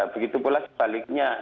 begitu pula sebaliknya